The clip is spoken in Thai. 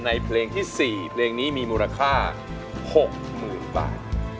เพลงที่๔เพลงนี้มีมูลค่า๖๐๐๐บาท